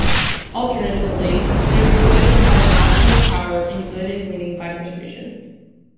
Alternatively, there is good in having absolute power, and good in leading by persuasion.